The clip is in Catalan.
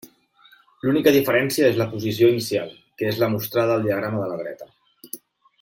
L'única diferència és la posició inicial, que és la mostrada al diagrama de la dreta.